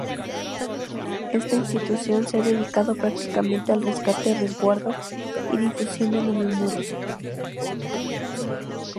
Esta institución se ha dedicado prácticamente al rescate, resguardo y difusión de la memoria.